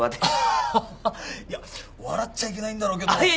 アハハハいや笑っちゃいけないんだろうけど。